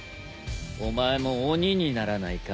お前も鬼にならないか？